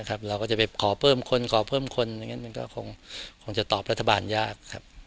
เราก็จะไปขอเพิ่มคนขอเพิ่มคนมันก็คงจะตอบรัฐบาลยาก